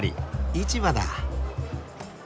市場だ。